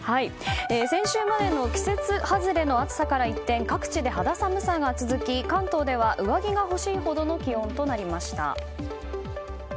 先週までの季節外れの暑さから一転各地で肌寒さが続き関東では上着が欲しいほどの気温となりました。